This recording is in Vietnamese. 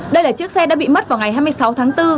đây là chiếc xe đã bị mất vào ngày hai mươi sáu tháng bốn